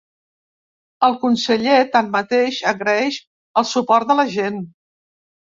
El conseller, tanmateix, agraeix el suport de la gent.